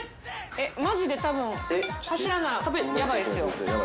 えっマジでたぶん走らなヤバいですよ。